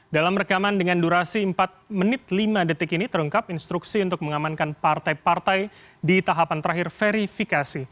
dalam rekaman dengan durasi empat menit lima detik ini terungkap instruksi untuk mengamankan partai partai di tahapan terakhir verifikasi